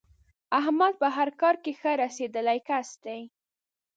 احمد په هر کار کې ښه رسېدلی کس دی.